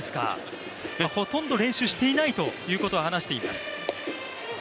ほとんど練習していないということを話しています。